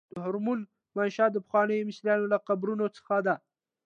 د هرمونو منشا د پخوانیو مصریانو له قبرونو څخه ده.